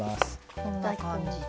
こんな感じで。